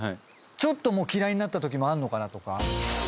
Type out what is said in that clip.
ちょっともう嫌いになったときもあんのかなとか。